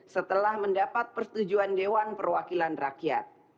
setelah mendapat persetujuan dewan perwakilan rakyat